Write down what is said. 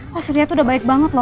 mas surya tuh udah baik banget loh